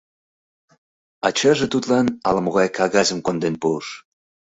Ачаже тудлан ала-могай кагазым конден пуыш.